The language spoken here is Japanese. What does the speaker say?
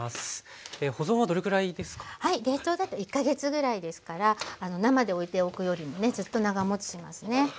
冷凍だと１か月ぐらいですから生でおいておくよりもねずっと長もちしますね。